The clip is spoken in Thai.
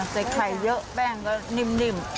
ใส่ไข่เยอะแป้งก็นิ่ม